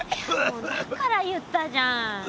もうだから言ったじゃん。